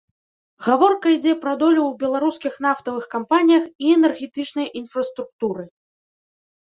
Гаворка ідзе пра долю ў беларускіх нафтавых кампаніях і энергетычнай інфраструктуры.